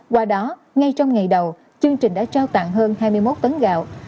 qua đó ngay trong ngày đầu chương trình đã trao tặng hơn hai mươi một tấn gạo